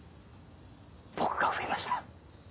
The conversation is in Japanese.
僕がフリました。